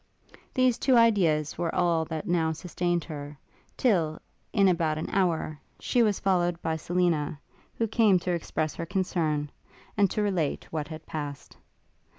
These two ideas were all that now sustained her, till, in about an hour, she was followed by Selina, who came to express her concern, and to relate what had passed.